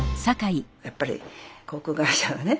やっぱり航空会社はね